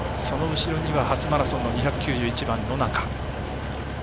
その後ろには初マラソンの２９１番、野中。